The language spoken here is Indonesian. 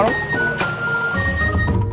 mata mata banyak nah